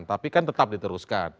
tapi kan tetap diteruskan